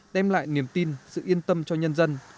đem lại niềm tin sự yên tâm cho nhân dân